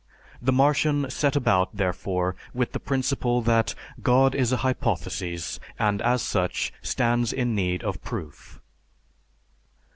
The Martian set about, therefore, with the principle that, "God is a hypothesis, and as such, stands in need of proof."